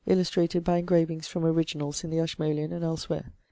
illustrated by engravings from originals in the Ashmolean and elsewhere.